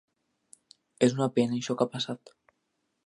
És una pena, això que ha passat.